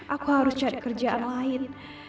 aku harus cari kerjaan lain